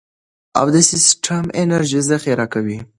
دا سیستم انرژي ذخیره کوي.